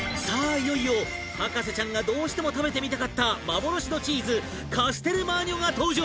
いよいよ博士ちゃんがどうしても食べてみたかった幻のチーズカステルマーニョが登場